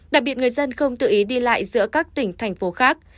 đặc biệt người dân không tự ý đi lại giữa các tỉnh thành phố khác